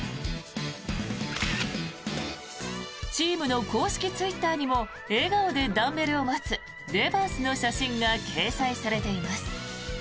チームの公式ツイッターにも笑顔でダンベルを持つデバースの写真が掲載されています。